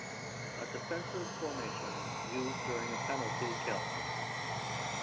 A defensive formation used during a penalty kill.